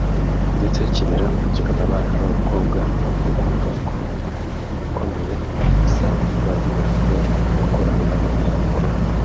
ndetse kibera urugero abana b’abakobwa rwo kumva ko ibikomeye basaza babo bashobora gukora nabo babikora